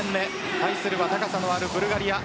対するは高さのあるブルガリア。